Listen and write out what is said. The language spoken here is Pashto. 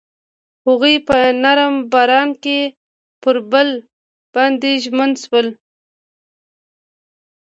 هغوی په نرم باران کې پر بل باندې ژمن شول.